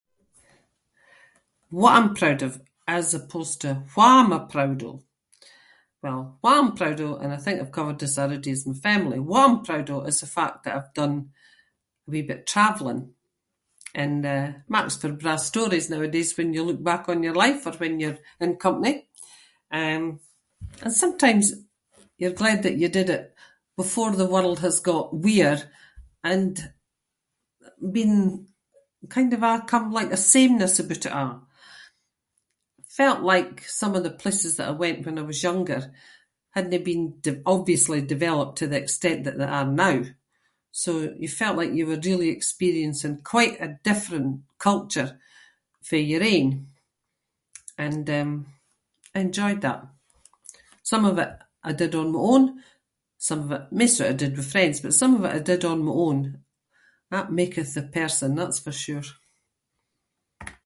What I’m proud of as opposed to wha am I proud of? Well, wha I’m proud of and I think I’ve covered this already is my family. What I’m proud of is the fact that I’ve done a wee bit of travelling and, eh, makes for braw stories nowadays when you look back on your life or when you’re in company. Um, and sometimes you’re glad that you did it before the world has got wee-er and th- being, kind of become like a sameness aboot it a’. Felt like some of the places that I went when I was younger hadnae been d- obviously been developed to the extent that they are now, so you felt like you were experiencing quite a different culture fae your own, and um, I enjoyed that. Some of it I did on my own, some of it- maist of it I did with friends but some of it I did on my own. That maketh the person, that's for sure.